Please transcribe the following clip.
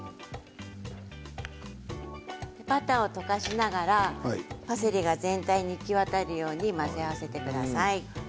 バターを溶かしながらパセリが全体に行き渡るように混ぜ合わせてください。